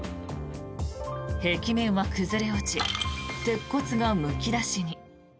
壁面は崩れ落ち鉄骨がむき出しに。